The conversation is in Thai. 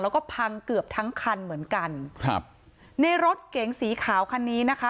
แล้วก็พังเกือบทั้งคันเหมือนกันครับในรถเก๋งสีขาวคันนี้นะคะ